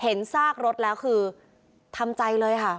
ซากรถแล้วคือทำใจเลยค่ะ